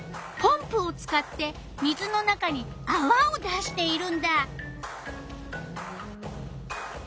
ポンプを使って水の中にあわを出しているんだ。